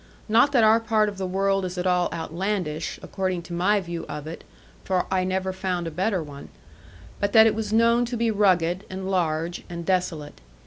Not that our part of the world is at all outlandish, according to my view of it (for I never found a better one), but that it was known to be rugged, and large, and desolate.